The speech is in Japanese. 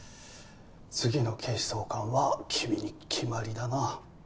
次の警視総監は君に決まりだな。